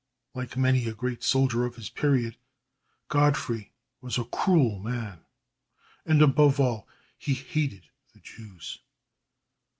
Like many a great soldier of his period, Godfrey was a cruel man, and, above all, he hated the Jews.